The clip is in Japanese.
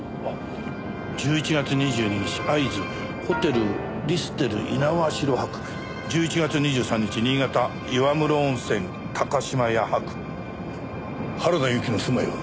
「１１月２２日会津ホテルリステル猪苗代泊」「１１月２３日新潟岩室温泉島屋泊」原田由紀の住まいは？